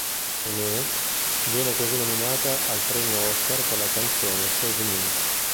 Aimee viene così nominata al Premio Oscar per la canzone "Save Me".